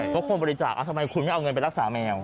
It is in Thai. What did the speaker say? เพราะคนบริจาคทำไมคุณไม่เอาเงินไปรักษาแมว